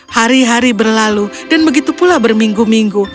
hari hari berlalu dan begitu pula berminggu minggu